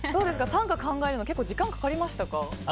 短歌考えるの結構時間かかりましたか？